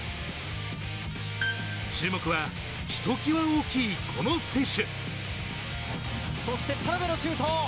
注目はひときわ大きい、この選手。